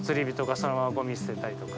そのままゴミ捨てたりとか。